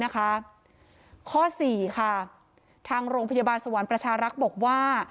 ข้อ๔ค่ะทางโรงพยาบาลสวรรค์ประชารักษ์บอกว่า